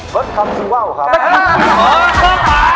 รสคัมสุเว่าค่ะ